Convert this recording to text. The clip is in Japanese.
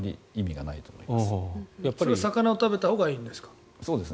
それは魚を食べたほうがいいんですか？